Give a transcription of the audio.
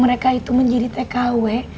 mereka itu menjadi tkw